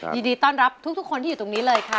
ยินดีต้อนรับทุกคนที่อยู่ตรงนี้เลยค่ะ